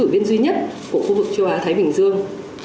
ứng viên duy nhất của khu vực châu á thái bình dương